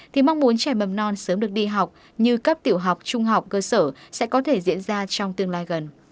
thì mong muốn trẻ mầm non sớm được đi học như cấp tiểu học trung học cơ sở sẽ có thể diễn ra trong tương lai gần